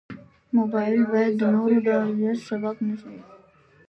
موبایل باید د نورو د اذیت سبب نه شي.